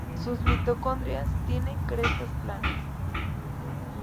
Sus mitocondrias tienen crestas planas.